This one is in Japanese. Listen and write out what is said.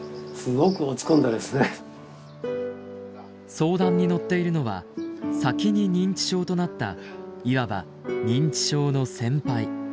相談に乗っているのは先に認知症となったいわば認知症の先輩。